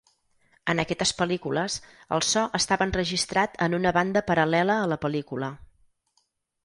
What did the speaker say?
En aquestes pel·lícules, el so estava enregistrat en una banda paral·lela a la pel·lícula.